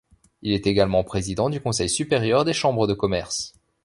Il est également président du Conseil supérieur des Chambres de commerce.